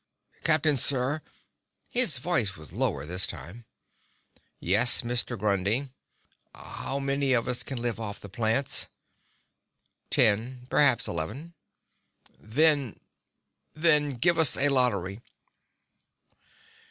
"Captain, sir!" His voice was lower this time. "Yes, Mr. Grundy?" "How many of us can live off the plants?" "Ten perhaps eleven." "Then then give us a lottery!"